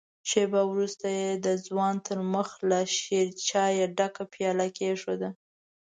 شېبه وروسته يې د ځوان تر مخ له شيرچايه ډکه پياله کېښوده.